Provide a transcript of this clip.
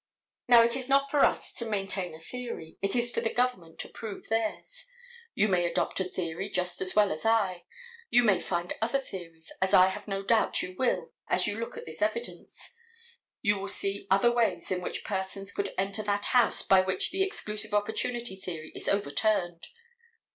Now, it is not for us to maintain a theory. It is for the government to prove theirs. You may adopt a theory just as well as I. You may find other theories, as I have no doubt you will as you look at this evidence. You will see other ways in which persons could enter that house by which the exclusive opportunity theory is overturned.